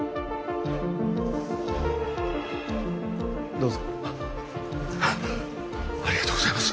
どうぞありがとうございます